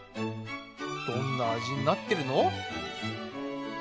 どんな味になってるの？